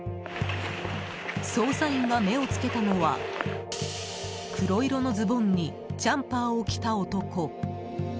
捜査員が目をつけたのは黒色のズボンにジャンパーを着た男。